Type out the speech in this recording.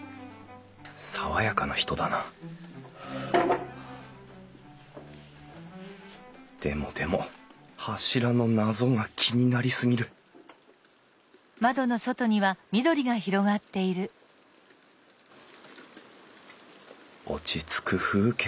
爽やかな人だなでもでも柱の謎が気になりすぎる落ち着く風景。